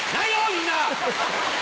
みんな！